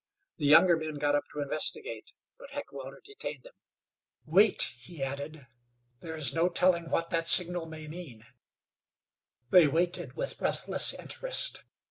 The younger men got up to investigate, but Heckewelder detained them. "Wait," he added. "There is no telling what that signal may mean." They waited with breathless interest.